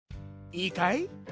いいかい？